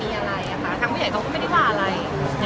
แต่ก็ขอโทษทั้งผู้ใหญ่ก็ไม่ได้ว่าอะไร